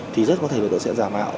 thì rất có thể đối tượng sẽ giảm ạo